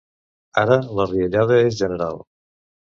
Ara la riallada és general.